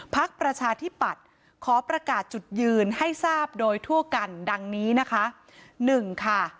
ประชาธิปัตย์ขอประกาศจุดยืนให้ทราบโดยทั่วกันดังนี้นะคะหนึ่งค่ะ